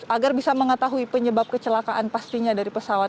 agar bisa mengetahui penyebab kecelakaan pastinya dari pesawat